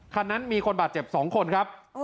คันนั้นมีคนบาดเจ็บ๒คนครับ